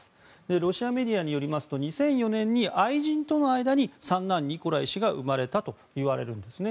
ロシアメディアによりますと２００４年に愛人との間に三男ニコライ氏が生まれたといわれるんですね。